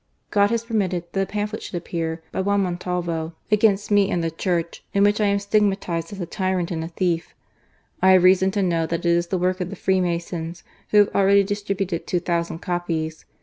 "God has permitted that a pamphlet should appear by Juan Montalvo against me and the Church, in which I am stigmatized as a tyrant and a thief. I have reason to know that it is the work of the Free masons, who ha\e already distributed two thousand copies.